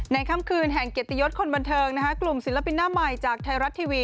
ค่ำคืนแห่งเกียรติยศคนบันเทิงกลุ่มศิลปินหน้าใหม่จากไทยรัฐทีวี